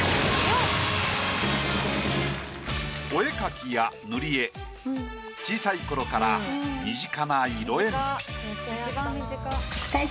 お絵描きや塗り絵小さい頃から身近な色鉛筆。